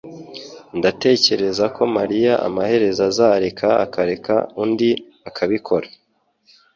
Ndatekereza ko mariya amaherezo azareka akareka undi akabikora